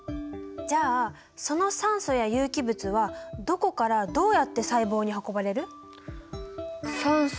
じゃあその酸素や有機物はどこからどうやって細胞に運ばれる？